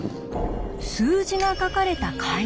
数字が書かれた階段。